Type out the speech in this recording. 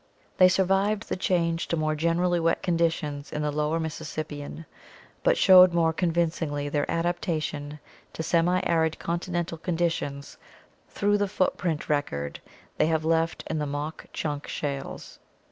They survived the change to more generally wet conditions in the Lower Mis sissippian, but showed more convincingly their adaptation to semiarid continental conditions through the footprint record they have left in the Mauch Chunk shales.